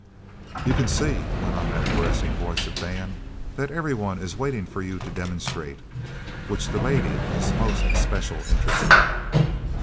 "You c'n see," went on that caressing voice of Dan, "that everyone is waitin' for you to demonstrate which the lady is most special interested."